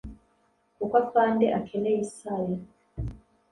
Kuko afande akeneye isari